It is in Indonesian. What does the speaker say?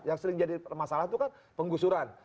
yang sering jadi masalah itu kan penggusuran